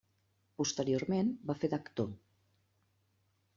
Posteriorment va fer d'actor.